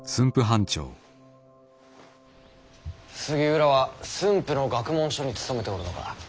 杉浦は駿府の学問所に勤めておるのか。